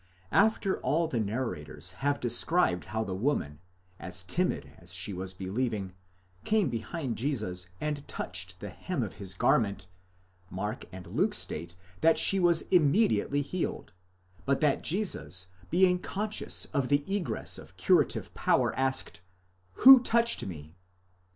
After all the narrators have de scribed how the woman, as timid as she was believing, came behind Jesus and touched the hem of his garment, Mark and Luke state that she was imme diately healed, but that Jesus, being conscious of the egress of curative power, asked who touched me?